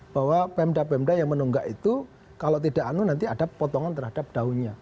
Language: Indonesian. bahwa pemda pemda yang menunggak itu kalau tidak anu nanti ada potongan terhadap daunnya